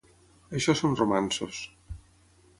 Això són romanços.